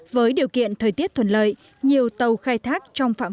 với điều kiện thời tiết thuần lợi nhiều tàu khai thác trong phòng